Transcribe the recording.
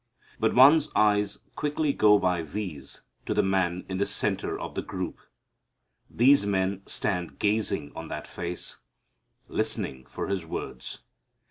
But one's eyes quickly go by these to the Man in the center of the group. These men stand gazing on that face, listening for His words.